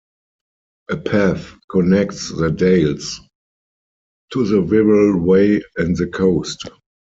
A path connects the Dales to the Wirral Way and the coast.